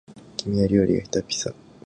君は料理がへたっぴさ